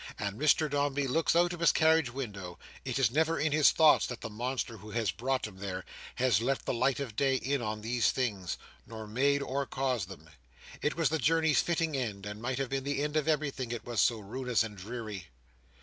As Mr Dombey looks out of his carriage window, it is never in his thoughts that the monster who has brought him there has let the light of day in on these things: not made or caused them. It was the journey's fitting end, and might have been the end of everything; it was so ruinous and dreary.